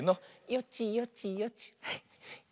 よちよちよち。